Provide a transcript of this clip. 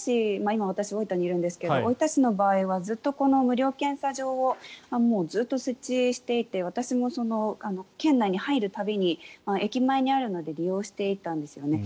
今、私大分市にいるんですが大分市の場合は無料検査場をもうずっと設置していて私も県内に入る度に駅前にあるので利用していたんですよね。